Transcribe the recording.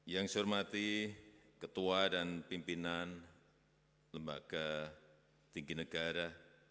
yang saya hormati ketua dan pimpinan lembaga tinggi negara